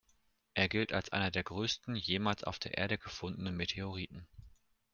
Er gilt als einer der größten jemals auf der Erde gefundenen Meteoriten.